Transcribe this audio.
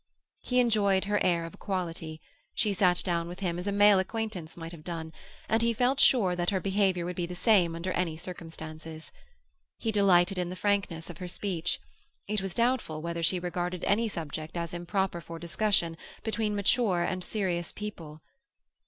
He enjoyed her air of equality; she sat down with him as a male acquaintance might have done, and he felt sure that her behaviour would be the same under any circumstances. He delighted in the frankness of her speech; it was doubtful whether she regarded any subject as improper for discussion between mature and serious people.